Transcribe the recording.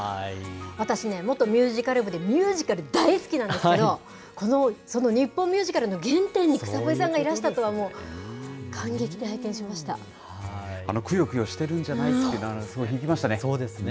私ね、元ミュージカル部で、ミュージカル、大好きなんですけど、その日本ミュージカルの原点に草笛さんがいらしたとはもう、くよくよしてるんじゃないとそうですね。